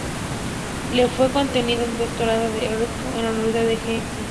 Le fue conferido un doctorado honorífico en la Universidad de Helsinki.